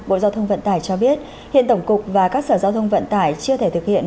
bộ giao thông vận tải cho biết hiện tổng cục và các sở giao thông vận tải chưa thể thực hiện